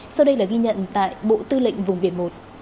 sau đây là ghi nhận tại bộ tư lệnh vùng biển một